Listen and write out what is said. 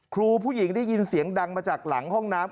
ครูผู้หญิงได้ยินเสียงดังมาจากหลังห้องน้ำ